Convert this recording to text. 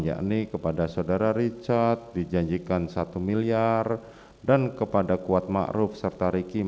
yakni kepada saudara richard dijanjikan satu miliar dan kepada kuat makruh serta ricky masing masing